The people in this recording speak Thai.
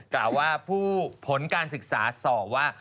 กล่าวว่าผู้ผลการศึกษาสอบว่า